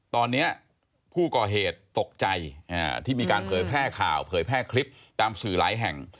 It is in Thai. ตอนนี้ผู้ก่อเหตุตกใจที่มีการเผยแพร่ข่าวเผยแพร่คลิปตามสื่อหลายแห่ง